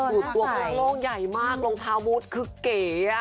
สูตรตัวของโลกใหญ่มากลงพาวมูธคือเก๋